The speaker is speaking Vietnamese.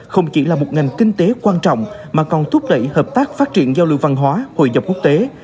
không chỉ là một ngành kinh tế quan trọng mà còn thúc đẩy hợp tác phát triển giao lưu văn hóa hội nhập quốc tế